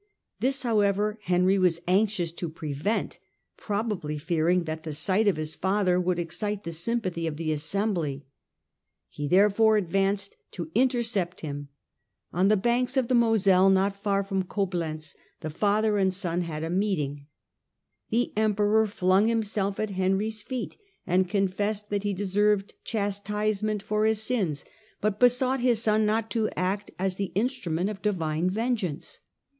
T^is, however, Henry was anxious to prevent, probably fearing that the sight of his father would excite the sympathy of the assembly. He, therefore, advanced to intercept him. On the banks of the Moselle, not far from Coblenz, iieetingbc ^® father and son had a meeting. The ^^era^and ^mpcror flung himself at Henry's feet, and Henry coufessod that he deserved chastisement for his sins, but besought his son not to act as the instru ment of divine vengeance.